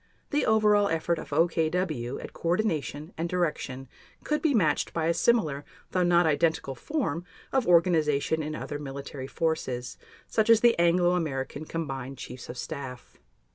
The over all effort of OKW at coordination and direction could be matched by a similar, though not identical form of organization in other military forces, such as the Anglo American Combined Chiefs of Staff.